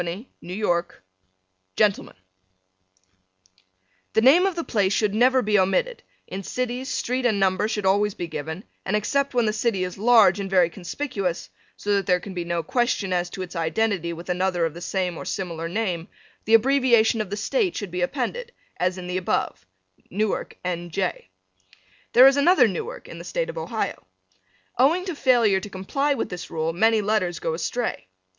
New York Gentlemen: The name of the place should never be omitted; in cities, street and number should always be given, and except when the city is large and very conspicuous, so that there can be no question as to its identity with another of the same or similar name, the abbreviation of the State should be appended, as in the above, Newark, N. J. There is another Newark in the State of Ohio. Owing to failure to comply with this rule many letters go astray.